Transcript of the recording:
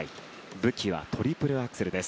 武器はトリプルアクセルです。